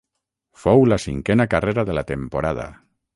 Fou la cinquena carrera de la temporada.